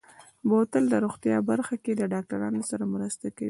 بوتل د روغتیا برخه کې د ډاکترانو سره مرسته کوي.